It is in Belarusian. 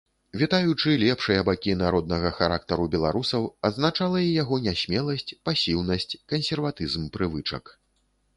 Вітаючы лепшыя бакі народнага характару беларусаў, адзначала і яго нясмеласць, пасіўнасць, кансерватызм прывычак.